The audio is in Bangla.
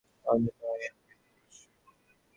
মানবধর্মটা ক্রমেই আপনাকে চেপে ধরছে!